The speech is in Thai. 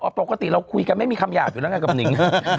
ปกติเราคุยกันไม่มีคำหยาบอยู่ด้านข้างกับนิ๊ง